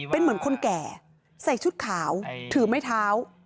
เป็นเหมือนคนแก่ใส่ชุดขาวถือไม้เท้า